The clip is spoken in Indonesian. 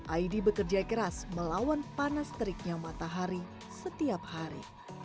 aidi bekerja keras melawan panas teriknya matahari setiap hari